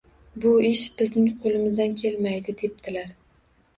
Bu ish bizning qo‘limizdan kelmaydi, debdilar